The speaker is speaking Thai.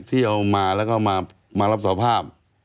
ที่เอามาแล้วก็มารับสภาพ